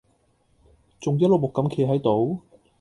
仲一碌木咁企喺度？